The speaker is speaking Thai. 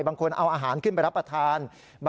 บางคนเอาอาหารขึ้นไปรับประทาน